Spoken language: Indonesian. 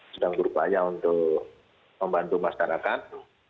sedang berupaya untuk membantu masyarakat